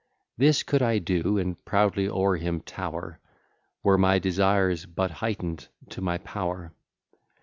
This could I do, and proudly o'er him tower, Were my desires but heighten'd to my power.